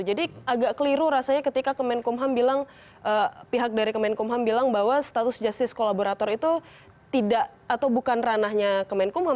jadi agak keliru rasanya ketika kemenkum ham bilang pihak dari kemenkum ham bilang bahwa status justice kolaborator itu tidak atau bukan ranahnya kemenkum ham